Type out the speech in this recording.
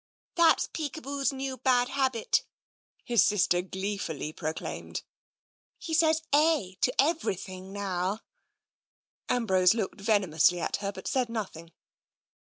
" That's Peekaboo's new bad habit," his sister glee 8o TENSION fully proclaimed. " He says ' eh ' to everything now." Ambrose looked venomously at her, but said noth ing.